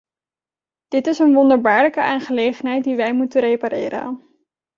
Dit is een wonderbaarlijke aangelegenheid die wij moeten repareren.